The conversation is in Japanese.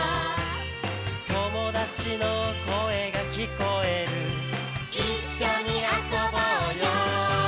「友達の声が聞こえる」「一緒に遊ぼうよ」